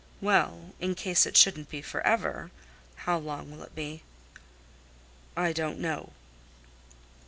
"Well, in case it shouldn't be forever, how long will it be?" "I don't know."